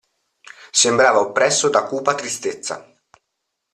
Sembrava oppresso da cupa tristezza.